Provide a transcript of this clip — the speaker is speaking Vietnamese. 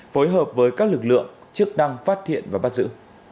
phối hợp với các lực lượng chức năng phát hiện và bắt giữ